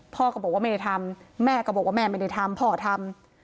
พ่อก็บอกว่าไม่ได้ทำแม่ก็บอกว่าแม่ไม่ได้ทำพ่อทำ